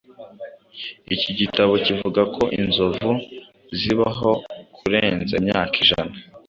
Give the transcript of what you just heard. Iki gitabo kivuga ko inzovu zibaho kurenza imyaka ijana.